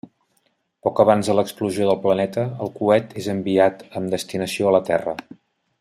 Poc abans de l'explosió del planeta, el coet és enviat amb destinació a la Terra.